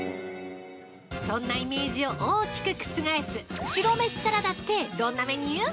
そんなイメージを大きく覆す白飯サラダってどんなメニュー？